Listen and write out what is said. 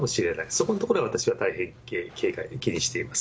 そこのところは私は大変気にしています。